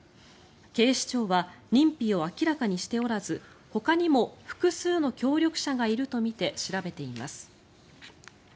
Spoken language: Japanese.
警視庁は認否を明らかにしておらずほかにも複数の協力者がいるとみて調べています。